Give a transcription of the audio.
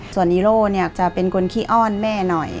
ส่วนฮีโร่เนี่ยจะเป็นคนขี้อ้อนแม่หน่อย